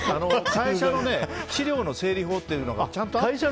会社の資料の整理法っていうのがちゃんとあって。